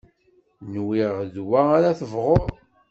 Nwiɣ d wa ara tebɣuḍ.